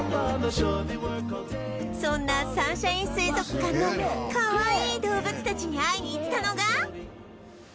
そんなサンシャイン水族館のかわいい動物たちに会いに行ったのが